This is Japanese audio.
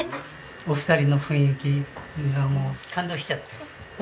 お二人の雰囲気にもう感動しちゃって。